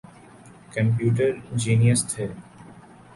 Computer genius تھے۔